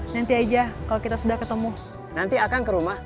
nanti aja kalau kita sudah ketemu